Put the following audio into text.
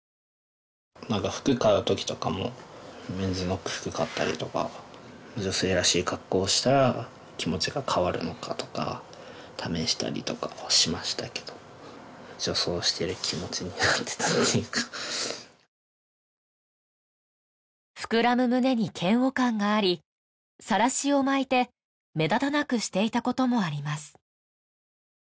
服買うときとかもメンズの服買ったりとか女性らしい格好したら気持ちが変わるのかとか試したりとかはしましたけど女装してる気持ちになってたっていうか膨らむ胸に嫌悪感がありさらしを巻いて目立たなくしていたこともあります